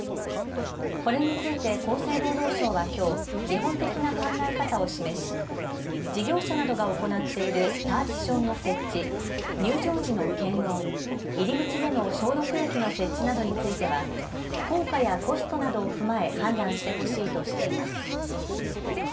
これについて厚生労働省はきょう基本的な考え方を示し事業者などが行っているパーティションの設置、入場時の検温、入り口での消毒液の設置などについては効果やコストなどを踏まえ判断してほしいとしています。